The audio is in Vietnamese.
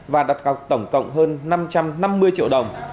và đặt gọc tổng cộng hơn năm trăm năm mươi triệu đồng